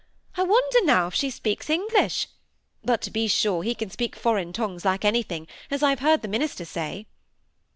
I wonder now, if she speaks English; but, to be sure, he can speak foreign tongues like anything, as I've heard the minister say."